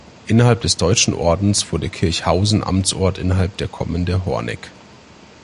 Innerhalb des Deutschen Ordens wurde Kirchhausen Amtsort innerhalb der Kommende Horneck.